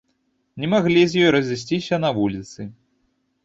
Не маглі з ёй разысціся на вуліцы.